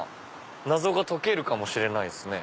謎が解けるかもしれないっすね。